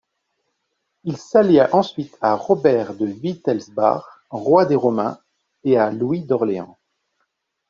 Il s'allia ensuite à Robert de Wittelsbach, roi des Romains et à Louis d'Orléans.